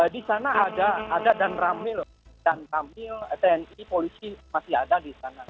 di sana ada ada dan ramil dan kamil tni polisi masih ada di sana